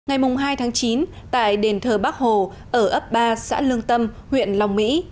ngày hai tháng chín tại đền thờ bắc hồ ở ấp ba xã lương tâm huyện long mỹ